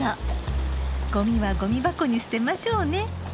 ゴミはゴミ箱に捨てましょうね。